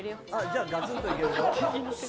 じゃあガツンといけるぞ。